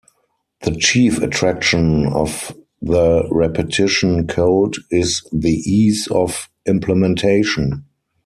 The chief attraction of the repetition code is the ease of implementation.